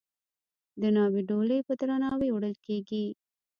د ناوې ډولۍ په درناوي وړل کیږي.